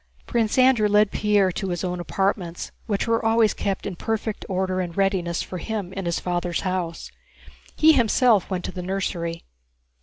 Prince Andrew led Pierre to his own apartments, which were always kept in perfect order and readiness for him in his father's house; he himself went to the nursery.